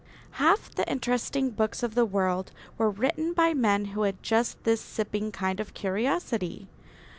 Half the interesting books of the world were written by men who had just this sipping kind of curiosity.